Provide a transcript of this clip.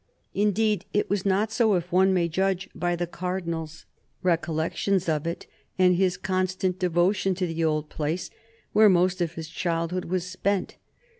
Indeed it was not so, if one may judge by the Cardinal's recollections of it, and his constant devotion to the old place where most of his childhood was spent.